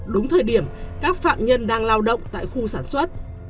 đúng thời điểm các phạm nhân đang lao động tại khu sản xuất